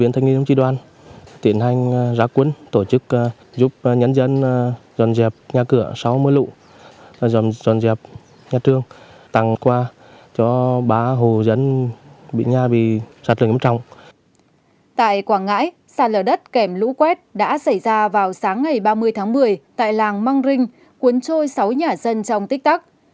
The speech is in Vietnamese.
tại quảng ngãi xa lở đất kèm lũ quét đã xảy ra vào sáng ngày ba mươi tháng một mươi tại làng măng rinh cuốn trôi sáu nhà dân trong tích tắc